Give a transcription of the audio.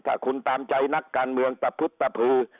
ถ้าคุณตามใจนักการเมืองตะพึบตะพือ